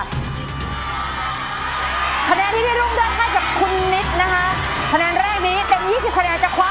ได้อย่างกับคุณนิตนี้นะคะคะแนนแรกนี้เต็มยี่สิบคะแนนจะความ